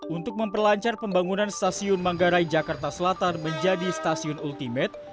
untuk memperlancar pembangunan stasiun manggarai jakarta selatan menjadi stasiun ultimate